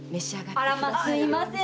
あらますみません！